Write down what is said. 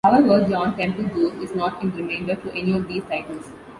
However, John Temple Gore is not in remainder to any of these titles.